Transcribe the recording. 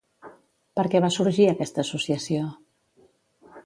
Per què va sorgir aquesta associació?